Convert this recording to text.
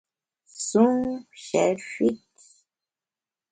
Sun shèt fit.